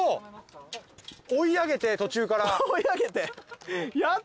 追い上げて途中から。